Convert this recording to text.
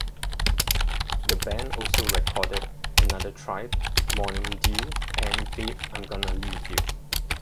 The band also recorded "Another Tribe", "Morning Dew", and "Babe I'm Gonna Leave You".